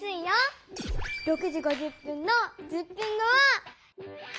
６時５０分の１０分後は。